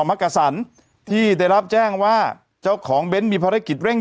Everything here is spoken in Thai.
มักกะสันที่ได้รับแจ้งว่าเจ้าของเบ้นมีภารกิจเร่ง